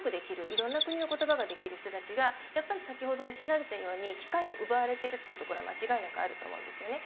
いろんな国の言葉ができる人たちがやっぱり先ほどおっしゃられたように機会を奪われてるっていうところは間違いなくあると思うんですよね。